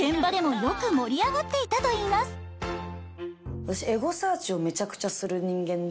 やはり私エゴサーチをめちゃくちゃする人間で。